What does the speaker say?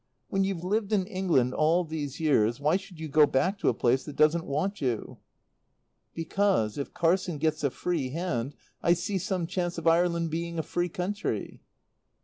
When you've lived in England all these years why should you go back to a place that doesn't want you?" "Because if Carson gets a free hand I see some chance of Ireland being a free country."